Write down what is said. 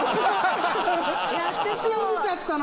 信じちゃったな。